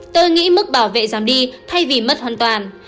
tôi nghĩ mức bảo vệ giảm đi thay vì mất hoàn toàn